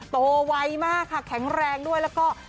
ไวมากค่ะแข็งแรงด้วยแล้วก็